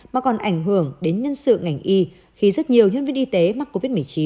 mà còn ảnh hưởng đến nhân sự ngành y khi rất nhiều nhân viên y tế mắc covid một mươi chín